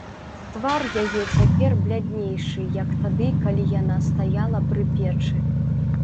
Твар яе цяпер бляднейшы, як тады, калі яна стаяла пры печы.